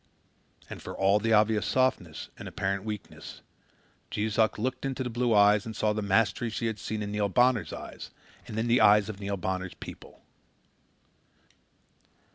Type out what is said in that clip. And, for all the obvious softness and apparent weakness, Jees Uck looked into the blue eyes and saw the mastery she had seen in Neil Bonner's eyes and in the eyes of Neil Bonner's people.